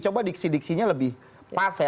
coba diksi diksinya lebih pas ya